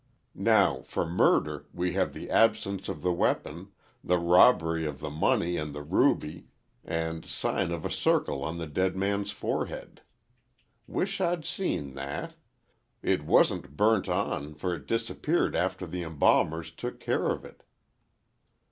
Now, for murder we have the absence of the weapon, the robbery of the money and the ruby, and sign of a circle on the dead man's forehead. Wish I'd seen that. It wasn't burnt on, for it disappeared after the embalmers took care of it."